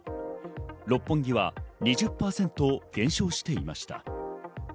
六本木は２０％減少していました。